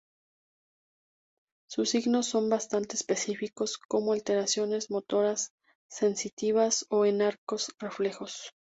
Sus signos son bastante específicos, como alteraciones motoras, sensitivas o en arcos reflejos.